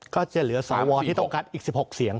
ก็จะเหลือสวที่ต้องการอีก๑๖เสียง